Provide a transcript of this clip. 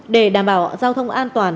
để đảm bảo giao thông an toàn